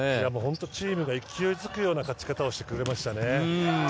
本当にチームが勢いづくような勝ち方をしてくれましたね。